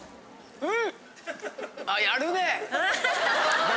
うん。